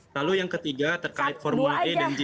lalu yang ketiga terkait formula e dan j